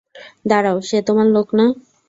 দাঁড়াও, সে তোমার লোক না?